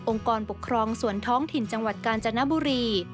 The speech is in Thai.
กรปกครองส่วนท้องถิ่นจังหวัดกาญจนบุรี